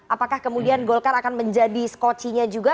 apakah kemudian golkar akan menjadi skocinya juga